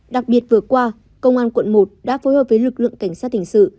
đặc biệt vừa qua công an quận một đã phối hợp với lực lượng cảnh sát hình sự